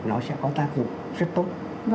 nó sẽ có tác dụng rất tốt